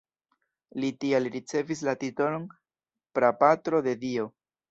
Li tial ricevis la titolon "prapatro de dio".